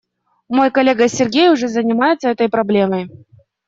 Мой коллега Сергей уже занимается этой проблемой.